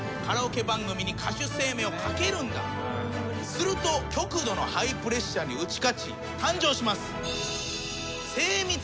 すると極度のハイプレッシャーに打ち勝ち誕生します。